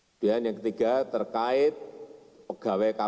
kemudian yang ketiga terkait pegawai kpk